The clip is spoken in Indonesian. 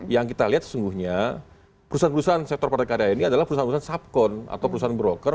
yang kita lihat sesungguhnya perusahaan perusahaan sektor padat karya ini adalah perusahaan perusahaan sabkon atau perusahaan broker